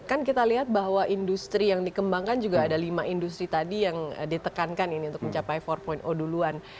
kan kita lihat bahwa industri yang dikembangkan juga ada lima industri tadi yang ditekankan ini untuk mencapai empat duluan